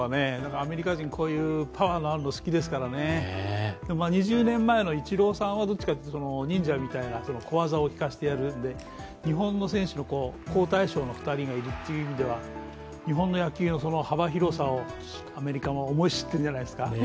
アメリカ人はこういうパワーのあるの好きですからね２０年前のイチローさんは忍者みたいな小技をきかしてやるんで日本の選手の好対照の２人がいるという意味では日本の野球の幅広さをアメリカも思い知ってるんじゃないですか。